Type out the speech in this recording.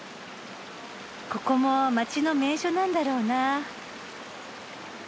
ここも街の名所なんだろうな。